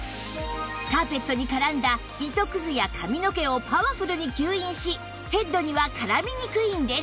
カーペットに絡んだ糸くずや髪の毛をパワフルに吸引しヘッドには絡みにくいんです